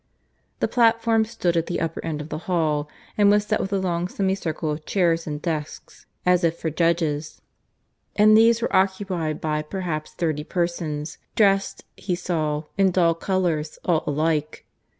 This platform stood at the upper end of the hall, and was set with a long semicircle of chairs and desks, as if for judges, and these were occupied by perhaps thirty persons, dressed, he saw, in dull colours, all alike.